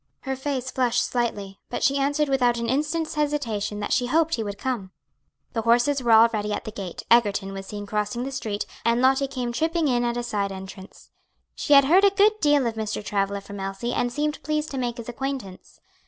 Her face flushed slightly, but she answered without an instant's hesitation that she hoped he would come. The horses were already at the gate, Egerton was seen crossing the street, and Lottie came tripping in at a side entrance. She had heard a good deal of Mr. Travilla from Elsie, and seemed pleased to make his acquaintance.